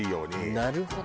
なるほど。